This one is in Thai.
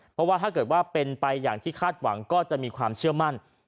เพราะว่าถ้าเกิดว่าเป็นไปอย่างที่คาดหวังก็จะมีความเชื่อมั่น